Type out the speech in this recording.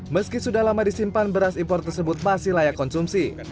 meski sudah lama disimpan beras impor tersebut masih layak konsumsi